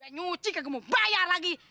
nyuci kegembu bayar lagi